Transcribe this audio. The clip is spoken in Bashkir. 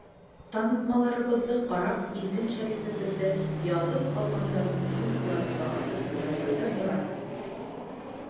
Танытмаларыбыҙҙы ҡарап, исем-шәрифебеҙҙе яҙып алғандан һуң сумкаларҙы ла асып күрһәтеүҙе һораны.